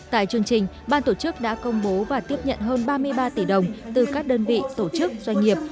tại chương trình ban tổ chức đã công bố và tiếp nhận hơn ba mươi ba tỷ đồng từ các đơn vị tổ chức doanh nghiệp